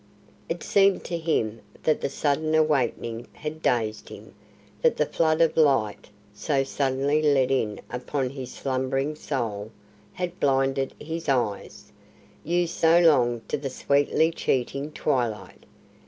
It seemed to him that the sudden awakening had dazed him, that the flood of light so suddenly let in upon his slumbering soul had blinded his eyes, used so long to the sweetly cheating twilight.